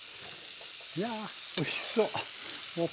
やぁおいしそう！